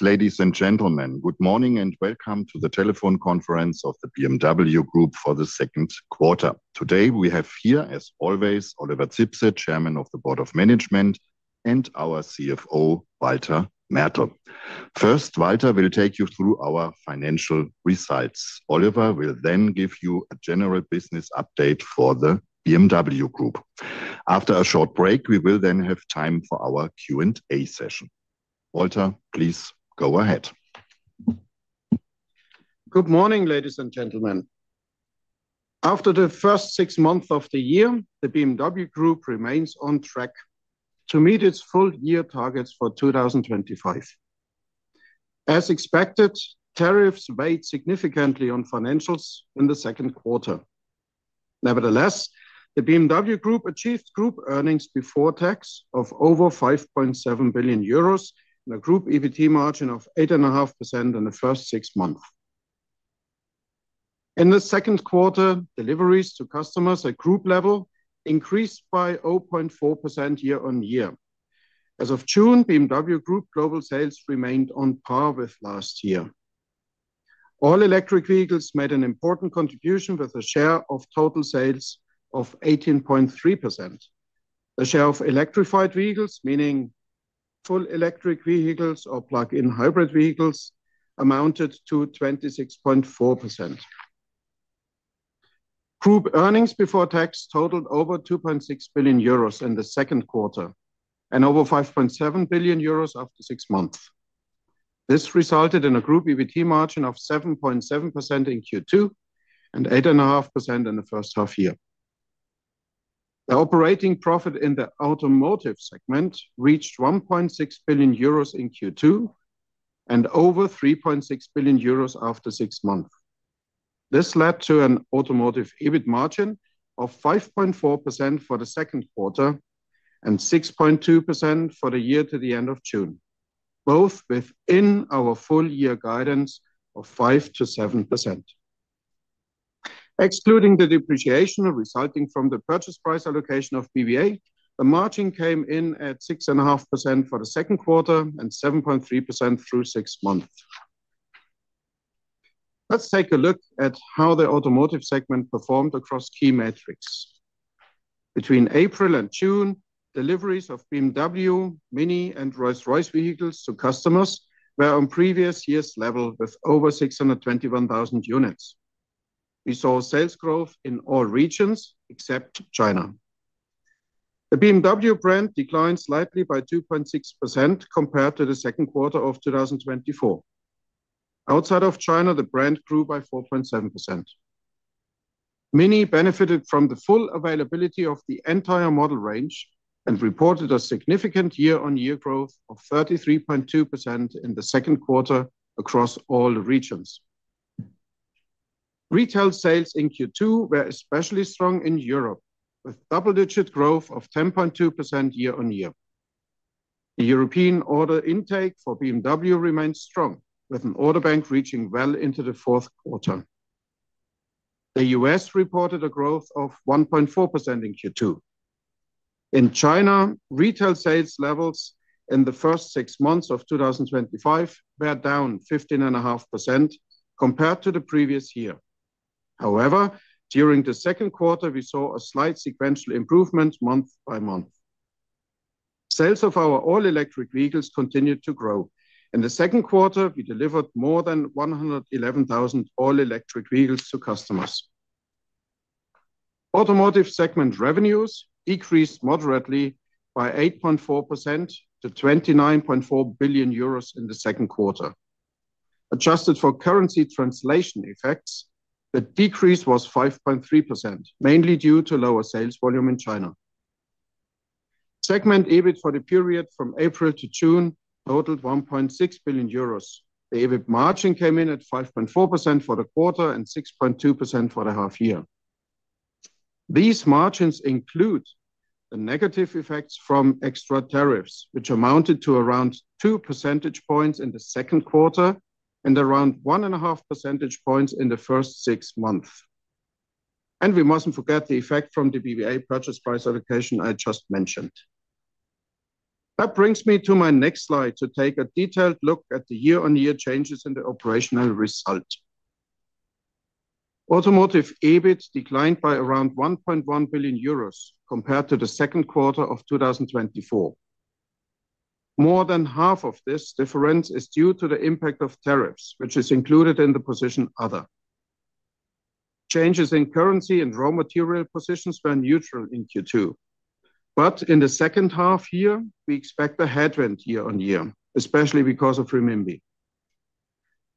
Ladies and gentlemen, good morning and welcome to the telephone conference of the BMW Group for the second quarter. Today we have here, as always, Oliver Zipse [Chairman of the Board of Management] (BMW Group), and our CFO, Walter Mertl [CFO] (BMW Group). First, Walter will take you through our financial results. Oliver will then give you a general business update for the BMW Group. After a short break, we will then have time for our Q&A session. Walter, please go ahead. Good morning, ladies and gentlemen. After the first six months of the year, the BMW Group remains on track to meet its full-year targets for 2025. As expected, tariffs weighed significantly on financials in the second quarter. Nevertheless, the BMW Group achieved group earnings before tax of over 5.7 billion euros and a group EBT margin of 8.5% in the first six months. In the second quarter, deliveries to customers at group level increased by 0.4% year-over-year. As of June, BMW Group global sales remained on par with last year. All-electric vehicles made an important contribution with a share of total sales of 18.3%. The share of electrified vehicles, meaning full electric vehicles or plug-in hybrid vehicles, amounted to 26.4%. Group earnings before tax totaled over 2.6 billion euros in the second quarter and over 5.7 billion euros after six months. This resulted in a group EBT margin of 7.7% in Q2 and 8.5% in the first half-year. The operating profit in the automotive segment reached 1.6 billion euros in Q2 and over 3.6 billion euros after six months. This led to an automotive EBIT margin of 5.4% for the second quarter and 6.2% for the year to the end of June, both within our full-year guidance of 5% to 7%. Excluding the depreciation resulting from the purchase price allocation of BVA, the margin came in at 6.5% for the second quarter and 7.3% through six months. Let's take a look at how the automotive segment performed across key metrics. Between April and June, deliveries of BMW, Mini, and Rolls-Royce vehicles to customers were on previous year's level with over 621,000 units. We saw sales growth in all regions except China. The BMW brand declined slightly by 2.6% compared to the second quarter of 2024. Outside of China, the brand grew by 4.7%. Mini benefited from the full availability of the entire model range and reported significant year-over-year growth of 33.2% in the second quarter across all regions. Retail sales in Q2 were especially strong in Europe, with double-digit growth of 10.2% year-over-year. The European order intake for BMW remained strong, with an order bank reaching well into the fourth quarter. The U.S. reported a growth of 1.4% in Q2. In China, retail sales levels in the first six months of 2025 were down 15.5% compared to the previous year. However, during the second quarter, we saw a slight sequential improvement month by month. Sales of our all-electric vehicles continued to grow. In the second quarter, we delivered more than 111,000 all-electric vehicles to customers. Automotive segment revenues increased moderately by 8.4% to 29.4 billion euros in the second quarter. Adjusted for currency translation effects, the decrease was 5.3%, mainly due to lower sales volume in China. Segment EBIT for the period from April to June totaled 1.6 billion euros. The EBIT margin came in at 5.4% for the quarter and 6.2% for the half-year. These margins include the negative effects from extra tariffs, which amounted to around 2 percentage points in the second quarter and around 1.5 percentage points in the first six months. We mustn't forget the effect from the BVA purchase price allocation I just mentioned. That brings me to my next slide to take a detailed look at the year-over-year changes in the operational result. Automotive EBIT declined by around 1.1 billion euros compared to the second quarter of 2024. More than half of this difference is due to the impact of tariffs, which is included in the position “Other.” Changes in currency and raw material positions were neutral in the second quarter. In the second half-year, we expect a headwind year-over-year, especially because of Renminbi.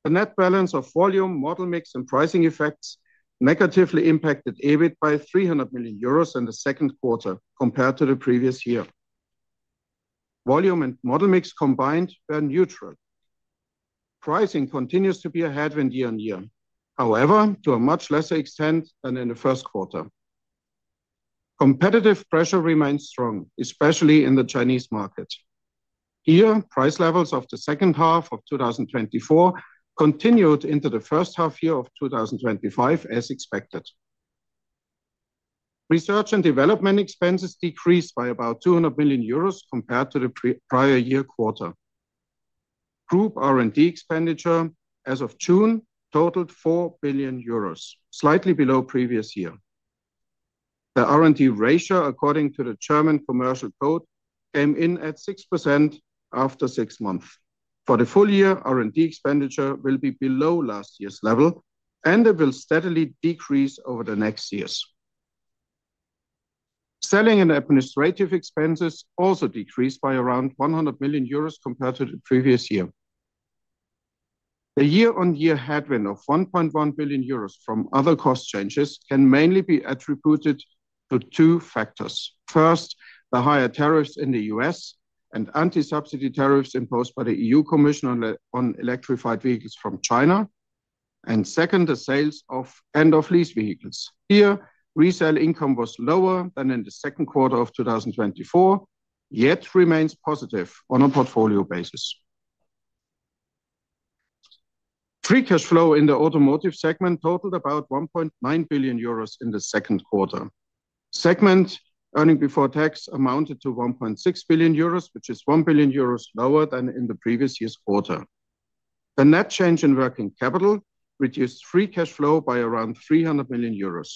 The net balance of volume, model mix, and pricing effects negatively impacted EBIT by 300 million euros in the second quarter compared to the previous year. Volume and model mix combined were neutral. Pricing continues to be a headwind year-over-year, however, to a much lesser extent than in the first quarter. Competitive pressure remained strong, especially in the Chinese market. Here, price levels of the second half of 2024 continued into the first half-year of 2025 as expected. Research and development expenses decreased by about 200 million euros compared to the prior-year quarter. Group R&D expenditure as of June totaled 4 billion euros, slightly below previous year. The R&D ratio, according to the German Commercial Code, came in at 6% after six months. For the full year, R&D expenditure will be below last year's level, and it will steadily decrease over the next years. Selling and administrative expenses also decreased by around 100 million euros compared to the previous year. The year-over-year headwind of 1.1 billion euros from other cost changes can mainly be attributed to two factors. First, the higher tariffs in the U.S. and anti-subsidy tariffs imposed by the EU Commission on electrified vehicles from China. Second, the sales of leased vehicles. Here, resale income was lower than in the second quarter of 2024, yet remains positive on a portfolio basis. Free cash flow in the automotive segment totaled about 1.9 billion euros in the second quarter. Segment earnings before tax amounted to 1.6 billion euros, which is 1 billion euros lower than in the previous year’s quarter. The net change in working capital reduced free cash flow by around 300 million euros.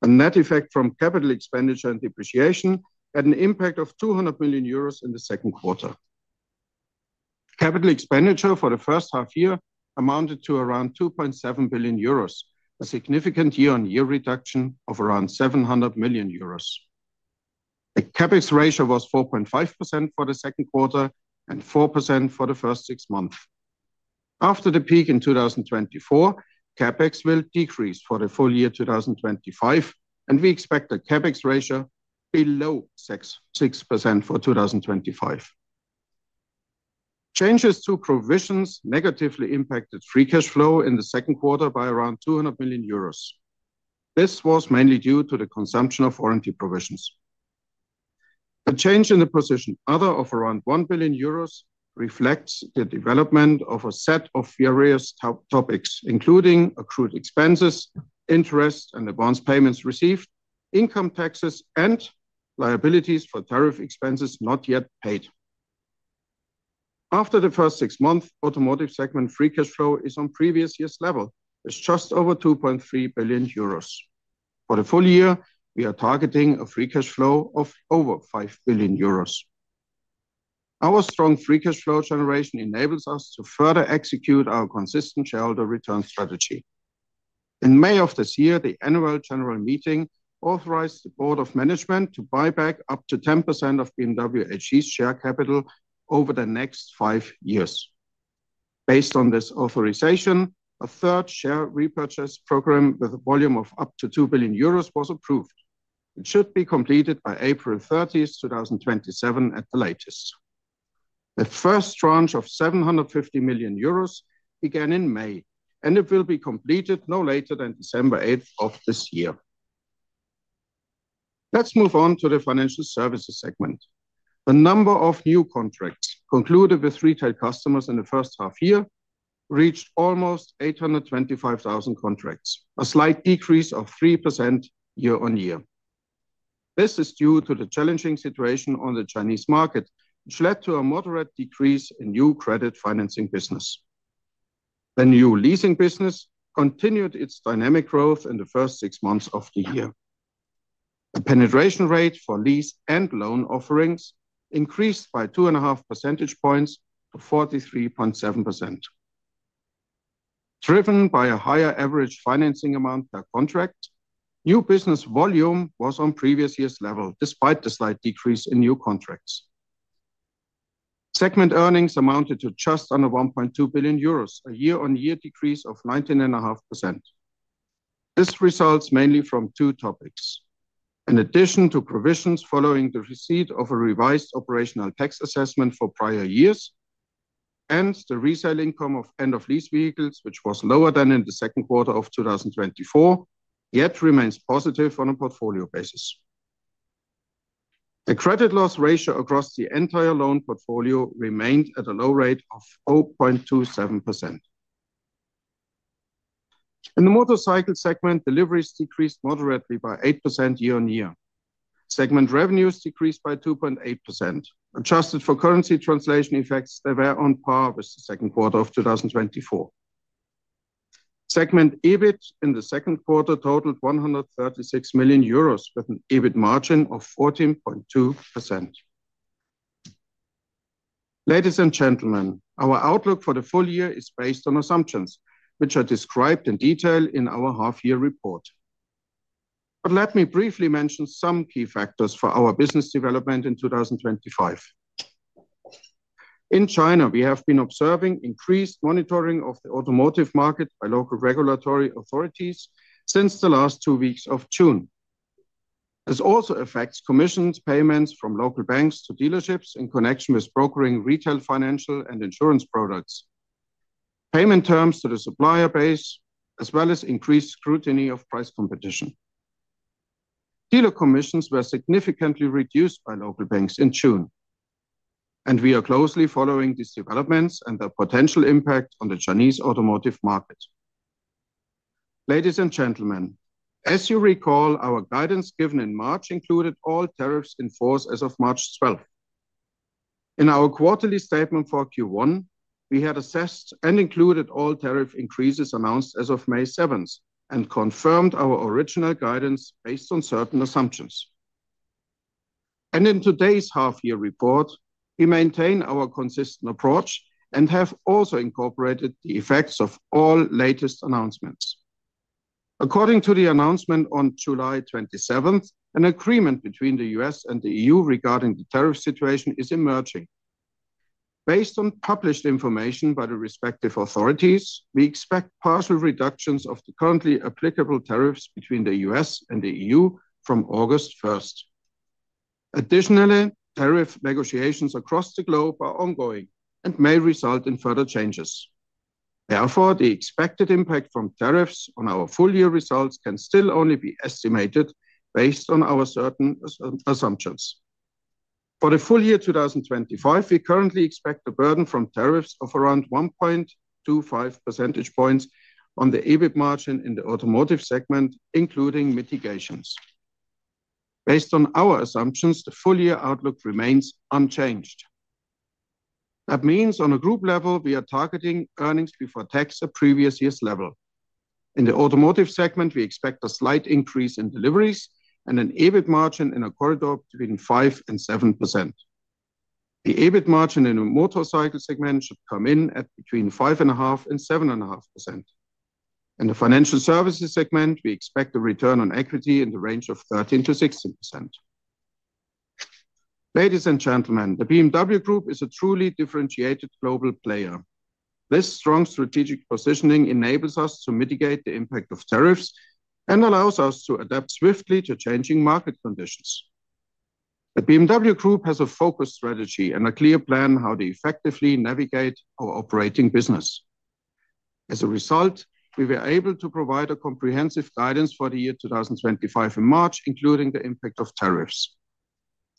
The net effect from capital expenditure and depreciation had an impact of 200 million euros in the second quarter. Capital expenditure for the first half-year amounted to around 2.7 billion euros, a significant year-over-year reduction of around 700 million euros. The CapEx ratio was 4.5% for the second quarter and 4% for the first six months. After the peak in 2024, CapEx will decrease for the full year 2025, and we expect a CapEx ratio below 6% for 2025. Changes to provisions negatively impacted free cash flow in the second quarter by around 200 million euros. This was mainly due to the consumption of R&D provisions. The change in the position “Other” of around 1 billion euros reflects the development of a set of various topics, including accrued expenses, interest and advance payments received, income taxes, and liabilities for tariff expenses not yet paid. After the first six months, automotive segment free cash flow is on previous year’s level, which is just over 2.3 billion euros. For the full year, we are targeting a free cash flow of over 5 billion euros. Our strong free cash flow generation enables us to further execute our consistent shareholder return strategy. In May of this year, the Annual General Meeting authorized the Board of Management to buy back up to 10% of BMW Group’s share capital over the next five years. Based on this authorization, a third share repurchase program with a volume of up to 2 billion euros was approved. It should be completed by April 30, 2027 at the latest. The first tranche of 750 million euros began in May, and it will be completed no later than December 8 of this year. Let’s move on to the Financial Services segment. The number of new contracts concluded with retail customers in the first half-year reached almost 825,000 contracts, a slight decrease of 3% year-over-year. This is due to the challenging situation in the Chinese market, which led to a moderate decrease in new credit financing business. The new leasing business continued its dynamic growth in the first six months of the year. The penetration rate for lease and loan offerings increased by 2.5 percentage points to 43.7%. Driven by a higher average financing amount per contract, new business volume was on previous year’s level despite the slight decrease in new contracts. Segment earnings amounted to just under 1.2 billion euros, a year-over-year decrease of 19.5%. This results mainly from two topics. In addition to provisions following the receipt of a revised operational tax assessment for prior years, the resale income of end-of-lease vehicles was lower than in the second quarter of 2024, yet remains positive on a portfolio basis. The credit loss ratio across the entire loan portfolio remained at a low rate of 0.27%. In the motorcycle segment, deliveries decreased moderately by 8% year-over-year. Segment revenues decreased by 2.8%. Adjusted for currency translation effects, they were on par with the second quarter of 2024. Segment EBIT in the second quarter totaled 136 million euros with an EBIT margin of 14.2%. Ladies and gentlemen, our outlook for the full year is based on assumptions, which are described in detail in our half-year report. Let me briefly mention some key factors for our business development in 2025. In China, we have been observing increased monitoring of the automotive market by local regulatory authorities since the last two weeks of June. This also affects commissions payments from local banks to dealerships in connection with brokering retail financial and insurance products, payment terms to the supplier base, as well as increased scrutiny of price competition. Dealer commissions were significantly reduced by local banks in June. We are closely following these developments and their potential impact on the Chinese automotive market. Ladies and gentlemen, as you recall, our guidance given in March included all tariffs in force as of March 12. In our quarterly statement for the first quarter, we had assessed and included all tariff increases announced as of May 7 and confirmed our original guidance based on certain assumptions. In today’s half-year report, we maintain our consistent approach and have also incorporated the effects of all latest announcements. According to the announcement on July 27, an agreement between the U.S. and the EU regarding the tariff situation is emerging. Based on published information by the respective authorities, we expect partial reductions of the currently applicable tariffs between the U.S. and the EU from August 1. Additionally, tariff negotiations across the globe are ongoing and may result in further changes. Therefore, the expected impact from tariffs on our full-year results can still only be estimated based on our certain assumptions. For the full year 2025, we currently expect a burden from tariffs of around 1.25% on the EBIT margin in the automotive segment, including mitigations. Based on our assumptions, the full-year outlook remains unchanged. That means on a group level, we are targeting earnings before tax at previous year’s level. In the automotive segment, we expect a slight increase in deliveries and an EBIT margin in a corridor between 5% and 7%. The EBIT margin in the motorcycle segment should come in at between 5.5% and 7.5%. In the Financial Services segment, we expect a return on equity in the range of 13% to 16%. Ladies and gentlemen, the BMW Group is a truly differentiated global player. This strong strategic positioning enables us to mitigate the impact of tariffs and allows us to adapt swiftly to changing market conditions. The BMW Group has a focused strategy and a clear plan on how to effectively navigate our operating business. As a result, we were able to provide comprehensive guidance for the year 2025 in March, including the impact of tariffs.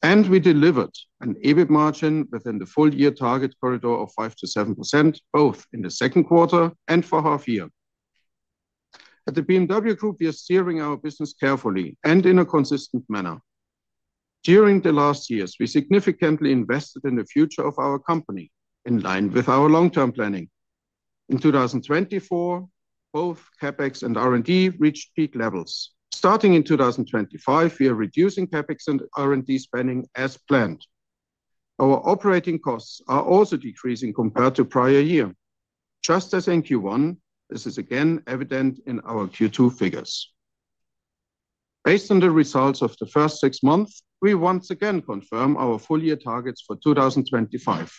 We We delivered an EBIT margin within the full-year target corridor of 5% to 7%, both in the second quarter and for the half-year. At the BMW Group, we are steering our business carefully and in a consistent manner. During the last years, we significantly invested in the future of our company, in line with our long-term planning. In 2024, both CapEx and R&D reached peak levels. Starting in 2025, we are reducing CapEx and R&D spending as planned. Our operating costs are also decreasing compared to the prior year, just as in the first quarter. This is again evident in our second-quarter figures. Based on the results of the first six months, we once again confirm our full-year targets for 2025.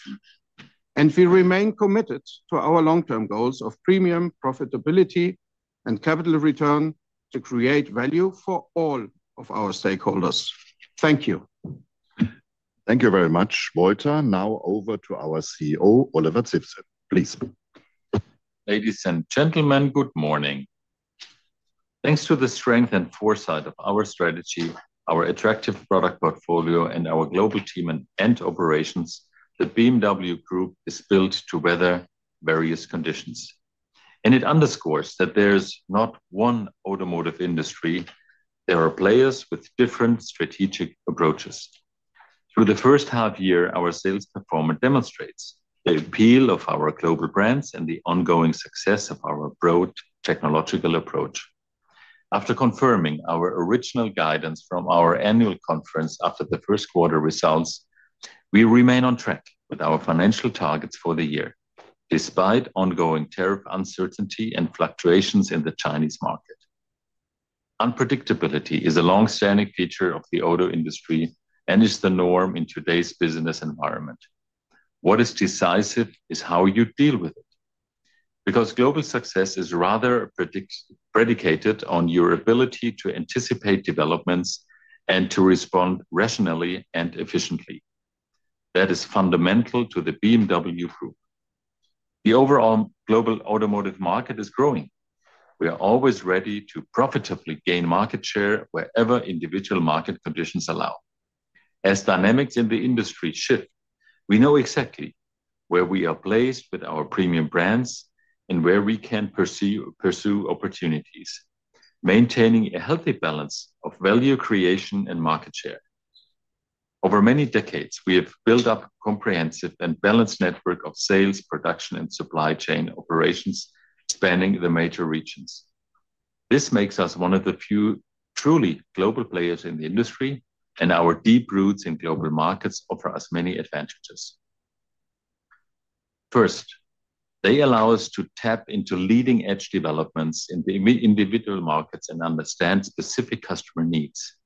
We remain committed to our long-term goals of premium profitability and capital return to create value for all of our stakeholders. Thank you very much, Walter. Now over to our CEO, Oliver Zipse, please. Ladies and gentlemen, good morning. Thanks to the strength and foresight of our strategy, our attractive product portfolio, and our global team and operations, the BMW Group is built to weather various conditions. It underscores that there is not one automotive industry; there are players with different strategic approaches. Through the first half-year, our sales performance demonstrates the appeal of our global brands and the ongoing success of our broad technological approach. After confirming our original guidance from our annual conference after the first-quarter results, we remain on track with our financial targets for the year, despite ongoing tariff uncertainty and fluctuations in the Chinese market. Unpredictability is a longstanding feature of the auto industry and is the norm in today’s business environment. What is decisive is how you deal with it. Global success is rather predicated on your ability to anticipate developments and to respond rationally and efficiently. That is fundamental to the BMW Group. The overall global automotive market is growing. We are always ready to profitably gain market share wherever individual market conditions allow. As dynamics in the industry shift, we know exactly where we are placed with our premium brands and where we can pursue opportunities, maintaining a healthy balance of value creation and market share. Over many decades, we have built up a comprehensive and balanced network of sales, production, and supply chain operations spanning the major regions. This makes us one of the few truly global players in the industry, and our deep roots in global markets offer us many advantages. First, they allow us to tap into leading-edge developments in the individual markets and understand specific customer needs.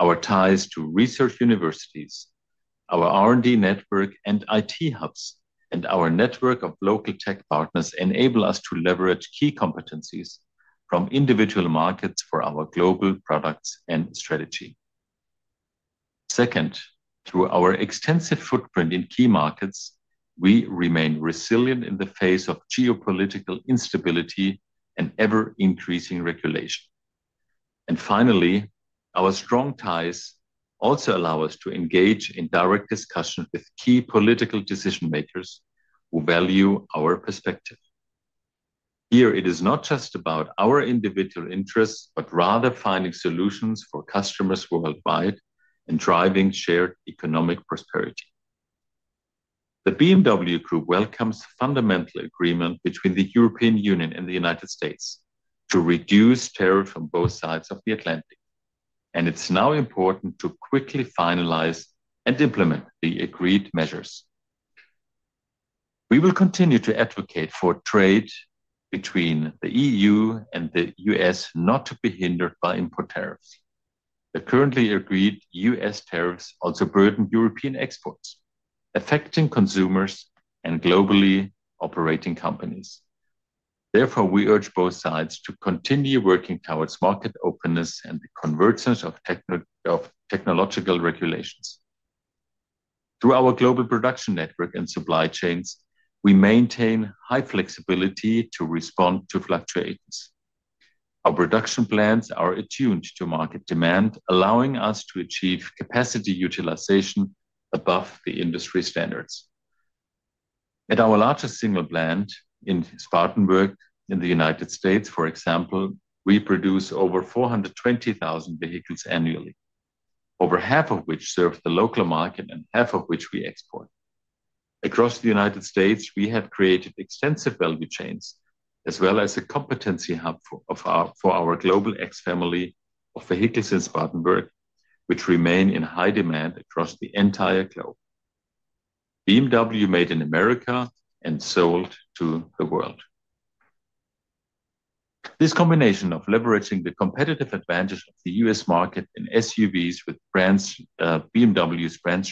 Our ties to research universities, our R&D network, and IT hubs, and our network of local tech partners enable us to leverage key competencies from individual markets for our global products and strategy. Second, through our extensive footprint in key markets, we remain resilient in the face of geopolitical instability and ever-increasing regulation. Finally, our strong ties also allow us to engage in direct discussions with key political decision-makers who value our perspective. Here, it is not just about our individual interests, but rather finding solutions for customers worldwide and driving shared economic prosperity. The BMW Group welcomes fundamental agreement between the European Union and the United States to reduce tariffs on both sides of the Atlantic. It is now important to quickly finalize and implement the agreed measures. We will continue to advocate for trade between the EU and the U.S. not to be hindered by import tariffs. The currently agreed U.S. tariffs also burden European exports, affecting consumers and globally This combination of leveraging the competitive advantage of the U.S. market in SUVs with BMW's brand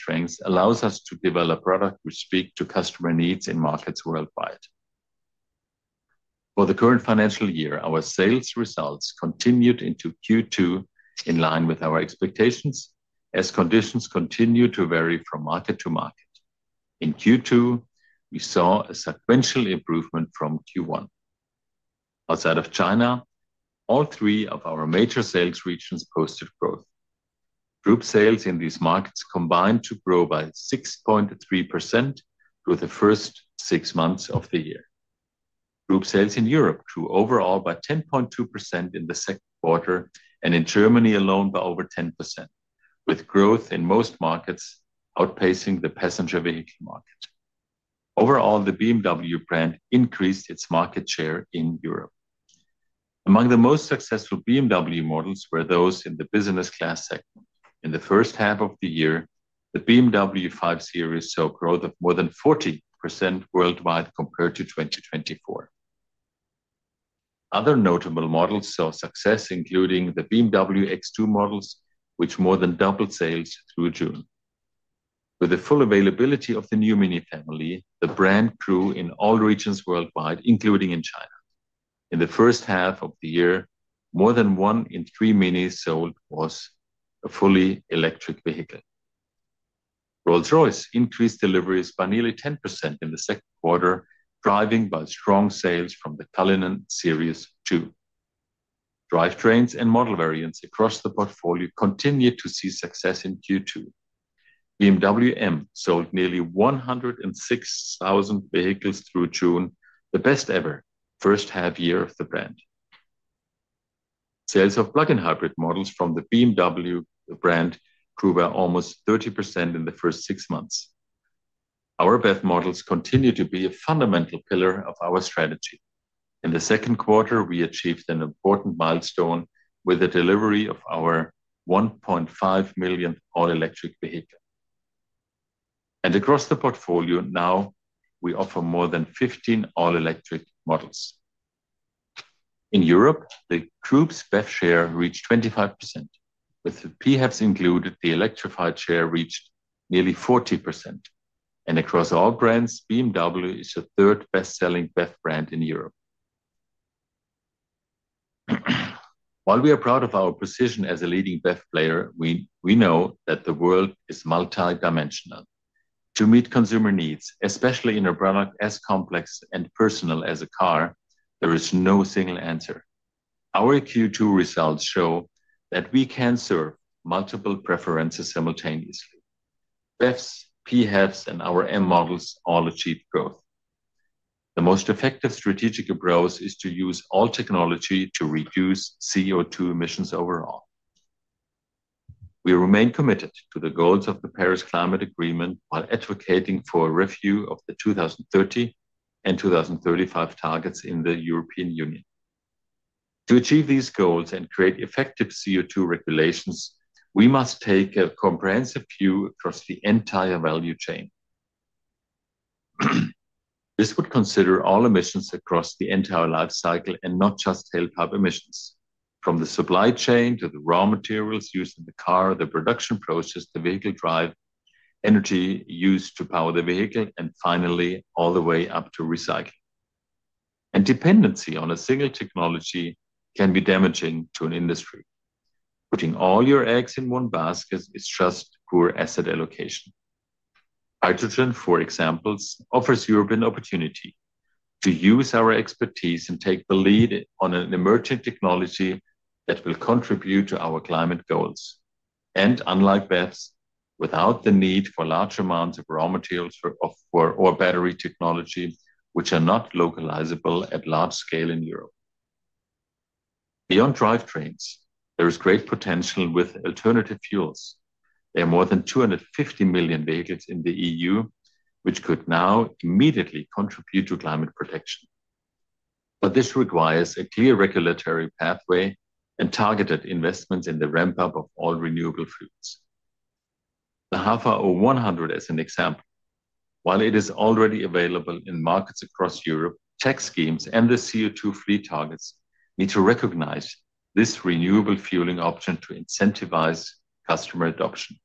In the first half of the year, the BMW 5 Series saw growth of more than 40% worldwide compared to 2023. Other notable models saw success, including the BMW X2 models, which more than doubled sales through June. With the full availability of the new Mini Family, the brand grew in all regions worldwide, including in China. In the first half of the year, more than one in three Minis sold was a fully electric vehicle. Rolls-Royce increased deliveries by nearly 10% in the second quarter, driven by strong sales from the Cullinan Series 2. Drivetrains and model variants across the portfolio continued to see success in the second quarter. BMW M sold nearly 106,000 vehicles through June, the best-ever first half-year of the brand. Sales of plug-in hybrid models from the BMW brand grew by almost 30% in the first six months. Our BEV models continue to be a fundamental pillar of our strategy. In the second quarter, we achieved an important milestone with the delivery of our 1.5 millionth all-electric vehicle. Across the portfolio, we now offer more than 15 all-electric models. In Europe, the Group’s BEV share reached 25%. With the PHEVs included, the electrified share reached nearly 40%. Across all brands, BMW is the third best-selling BEV brand in Europe. While we are proud of our position as a leading BEV player, we know that the world is multidimensional. To meet consumer needs, especially in a product as complex and personal as a car, there is no single answer. Our second-quarter results show that we can serve multiple preferences simultaneously. BEVs, PHEVs, and our M models all achieve growth. The most effective strategic approach is to use all technology to reduce CO₂ emissions overall. We remain committed to the goals of the Paris Climate Agreement while advocating for a review of the 2030 and 2035 targets in the European Union. To achieve these goals and create effective CO₂ regulations, we must take a comprehensive view across the entire value chain. This would consider all emissions across the entire life cycle and not just tailpipe emissions — from the supply chain to the raw materials used in the car, the production process, the vehicle drive, energy used to power the vehicle, and finally, all the way up to recycling. Dependency on a single technology can be damaging to an industry. Putting all your eggs in one basket is just poor asset allocation. Hydrogen, for example, offers Europe an opportunity to use our expertise and take the lead on an emerging technology that will contribute to our climate goals — unlike BEVs — without the need for large amounts of raw materials or battery technology, which are not localizable at large scale in Europe. Beyond drivetrains, there is great potential with alternative fuels. There are more than 250 million vehicles in the EU, which could now immediately contribute to climate protection. This requires a clear regulatory pathway and targeted investments in the ramp-up of all renewable fuels. The Hafa O100, as an example, while it is already available in markets across Europe, tech schemes and the CO₂ fleet targets need to recognize this renewable fueling option to incentivize customer adoption.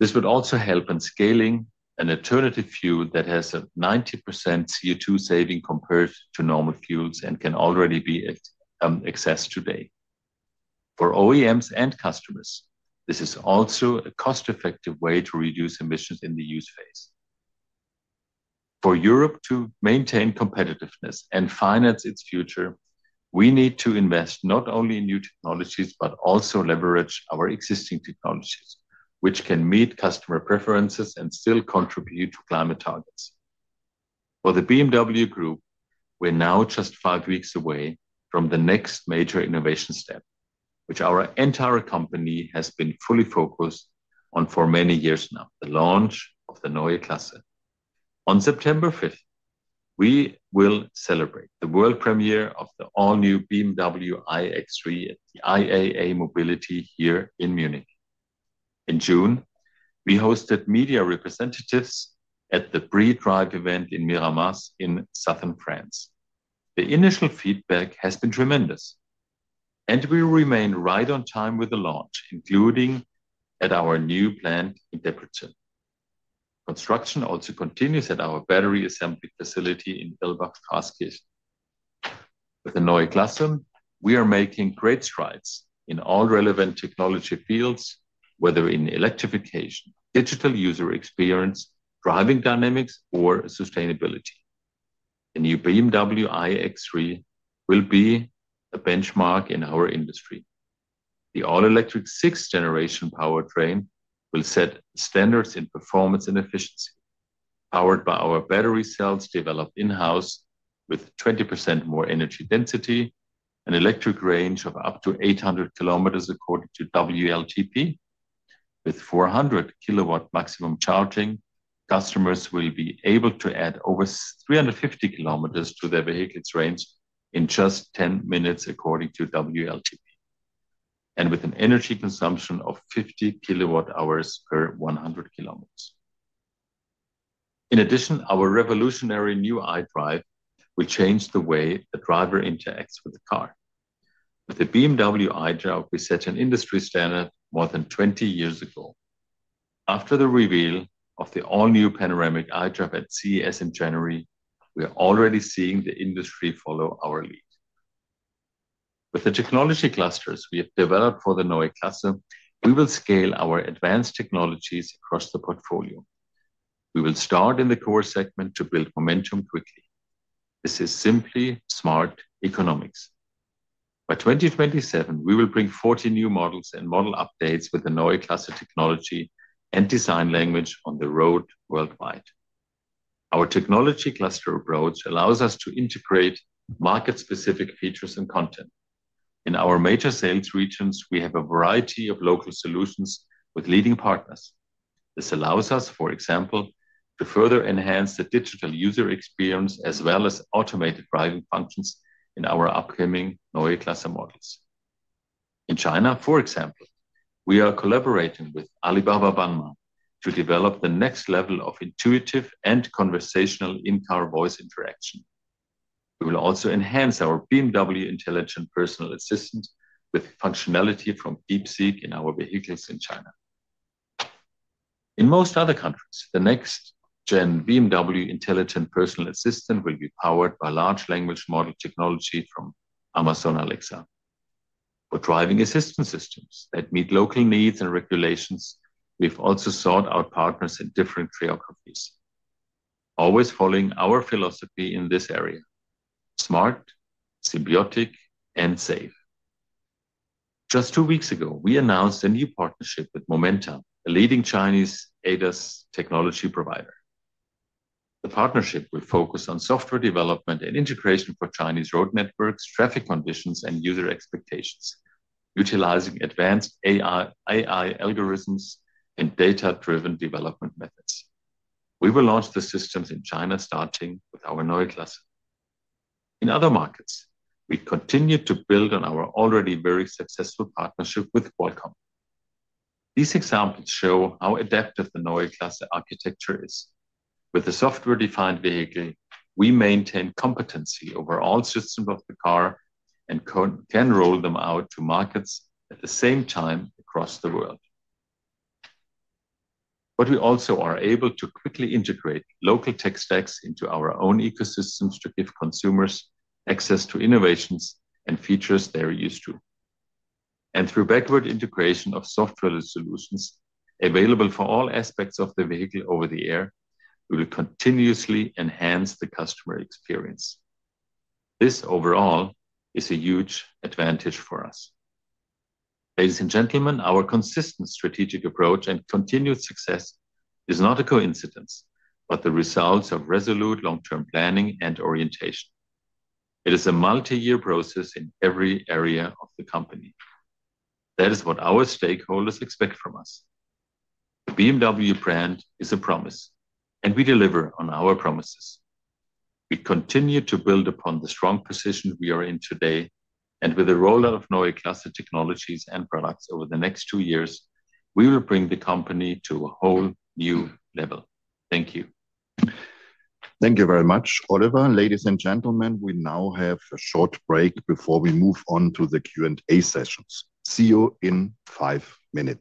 This would also help in scaling an alternative fuel that has a 90% CO₂ saving compared to normal fuels and can already be accessed today. For OEMs and customers, this is also a cost-effective way to reduce emissions in the use phase. For Europe to maintain competitiveness and finance its future, we need to invest not only in new technologies but also leverage our existing technologies, which can meet customer preferences and still contribute to climate targets. Construction also continues at our battery assembly facility in Wulbach, Schwarzheide. With the Neue Klasse, we are making great strides in all relevant technology fields, whether in electrification, digital user experience, driving dynamics, or sustainability. The new BMW iX3 will be a benchmark in our industry. The all-electric sixth-generation powertrain will set standards in performance and efficiency, powered by our battery cells developed in-house with 20% more energy density, an electric range of up to 800 kilometers according to WLTP, with 400-kilowatt maximum charging. Customers will be able to add over 350 kilometers to their vehicle’s range in just 10 minutes according to WLTP, and with an energy consumption of 50 kilowatt-hours per 100 kilometers. In addition, our revolutionary new iDrive will change the way the driver interacts with the car. With the BMW iDrive, we set an industry standard more than 20 years ago. After the reveal of the all-new panoramic iDrive at CES in January, we are already seeing the industry follow our lead. With the technology clusters we have developed for the Neue Klasse, we will scale our advanced technologies across the portfolio. We will start in the core segment to build momentum quickly. This is simply smart economics. By 2027, we will bring 40 new models and model updates with the Neue Klasse technology and design language on the road worldwide. Our technology cluster approach allows us to integrate market-specific features and content. In our major sales regions, we have a variety of local solutions with leading partners. This allows us, for example, to further enhance the digital user experience as well as automated driving functions in our upcoming Neue Klasse models. In China, for example, we are collaborating with Alibaba Banma to develop the next level of intuitive and conversational in-car voice interaction. We will also enhance our BMW Intelligent Personal Assistant with functionality from DeepSeek in our vehicles in China. In most other countries, the next-gen BMW Intelligent Personal Assistant will be powered by large language model technology from Amazon Alexa. In other markets, we continue to build on our already very successful partnership with Qualcomm. These The The BMW brand is a promise, and we deliver on our promises. We continue to build upon the strong position we are in today, and with the rollout of Neue Klasse technologies and products over the next two years, we will bring the company to a whole new level. Thank you very much, Oliver. Ladies and gentlemen, we now have a short break before we move on to the Q&A sessions. See you in five minutes.